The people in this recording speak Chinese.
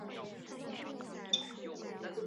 乌鲁苏伊是巴西皮奥伊州的一个市镇。